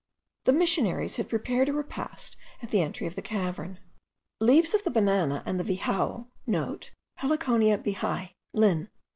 The missionaries had prepared a repast at the entry of the cavern. Leaves of the banana and the vijao,* (* Heliconia bihai, Linn.